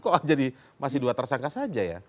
kok jadi masih dua tersangka saja ya